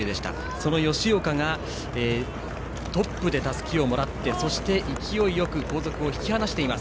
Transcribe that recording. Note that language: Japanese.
その吉岡が、トップでたすきをもらってそして、勢いよく後続を引き離しています。